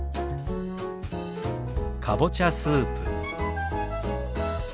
「かぼちゃスープ」。